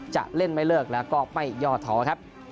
จะเล่นไม่เลิกแล้วก็ไม่ย่อท้อครับ